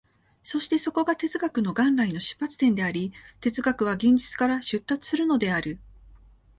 そしてそこが哲学の元来の出発点であり、哲学は現実から出立するのである。